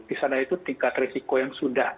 disana itu tingkat risiko yang sudah